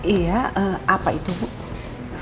iya apa itu bu